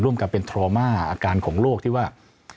ร่วมกับเป็นธรรมาอาการของโลกที่ว่า